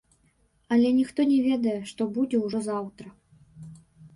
Але ніхто не ведае, што будзе ўжо заўтра.